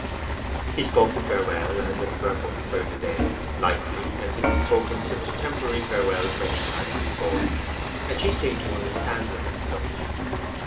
He spoke the farewell as if it were but for the day lightly, as he had spoken such temporary farewells many times before and she seemed to understand it as such.